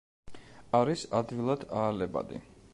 არის ადვილად აალებადი.